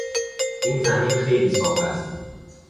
این زمین خیلی صاف است.